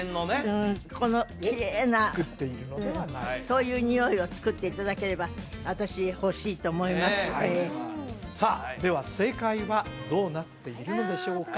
うんこのきれいなそういうにおいを作っていただければ私欲しいと思いますええさあでは正解はどうなっているのでしょうか？